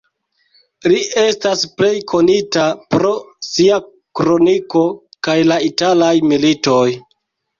Li estas plej konita pro sia kroniko de la italaj militoj.